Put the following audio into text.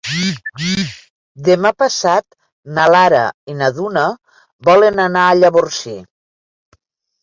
Demà passat na Lara i na Duna volen anar a Llavorsí.